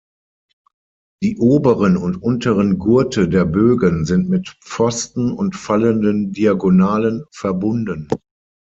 Die oberen und unteren Gurte der Bögen sind mit Pfosten und fallenden Diagonalen verbunden.